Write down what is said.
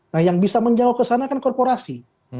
nah yang bisa menjauh ke sana kan korporasi